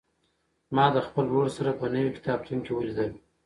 ما د خپل ورور سره په نوي کتابتون کې ولیدل.